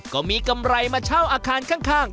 ก็มีกำไรมาเช่าอาคารข้าง